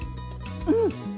うん！